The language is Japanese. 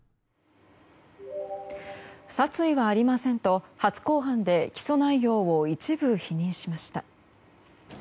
殺意はありませんと初公判で起訴内容を一部否認しました。